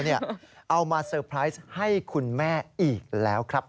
เอามาเซอร์ไพรส์ให้คุณแม่อีกแล้วครับ